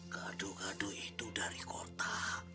gado gado itu dari kota